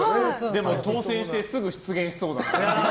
でも当選してすぐ失言しそうだな。